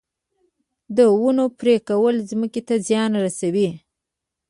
د ونو پرې کول ځمکې ته زیان رسوي